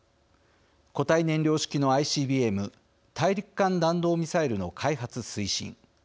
固体燃料式のＩＣＢＭ＝大陸間弾道ミサイルの開発推進。